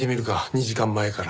２時間前から。